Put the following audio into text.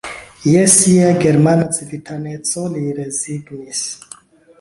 Je sia germana civitaneco li rezignis.